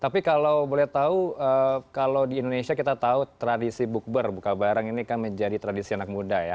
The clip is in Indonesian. tapi kalau boleh tahu kalau di indonesia kita tahu tradisi bukber buka barang ini kan menjadi tradisi anak muda ya